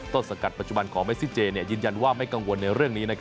ต้นสังกัดปัจจุบันของเมซิเจยืนยันว่าไม่กังวลในเรื่องนี้